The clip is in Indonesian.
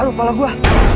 aduh kepala gue